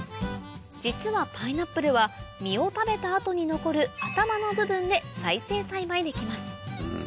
実はパイナップルは実を食べた後に残る頭の部分で再生栽培できます